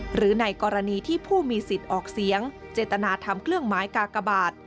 หรือในกรณีที่ผู้มีสิทธิ์ออกเสียงเจตนาทำเครื่องหมายกากบาท